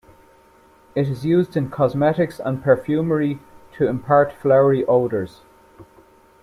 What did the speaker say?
It is used in cosmetics and perfumery to impart flowery odors.